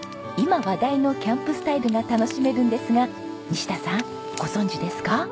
今話題のキャンプスタイルが楽しめるんですが西田さんご存じですか？